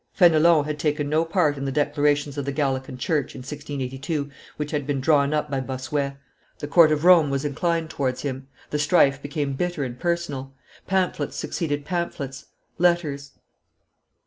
Fenelon had taken no part in the declarations of the Gallican church, in 1682, which had been drawn up by Bossuet; the court of Rome was inclined towards him; the strife became bitter and personal; pamphlets succeeded pamphlets, letters.